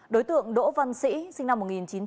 đối tượng đỗ văn sĩ sinh năm một nghìn chín trăm tám mươi